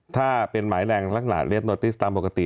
ถ้าเป็นหมายแดงลักเรียกตัวที่ตามปกติ